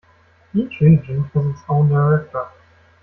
Each region has its own director.